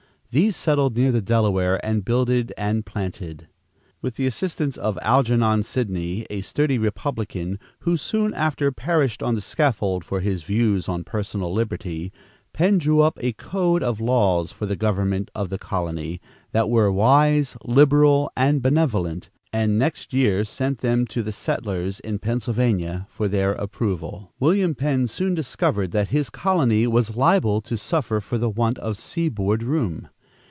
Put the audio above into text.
These settled near the Delaware and "builded and planted." With the assistance of Algernon Sidney, a sturdy republican, who soon after perished on the scaffold for his views on personal liberty, Penn drew up a code of laws for the government of the colony, that were wise, liberal and benevolent, and next year sent them to the settlers in Pennsylvania for their approval. William Penn soon discovered that his colony was liable to suffer for the want of sea board room.